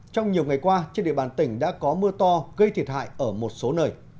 trong nhiều ngày qua trên địa bàn tỉnh đã có mưa to gây thiệt hại ở một số nơi